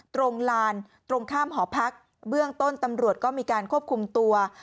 ตรงลานตรงข้ามหอพักเบื้องต้นตำรวจก็มีการควบคุมตัว